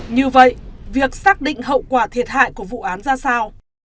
như vậy việc xác định hậu quả thiệt hại của vụ án ra sao